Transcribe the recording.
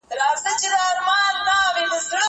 زه به سبا سينه سپين کړم!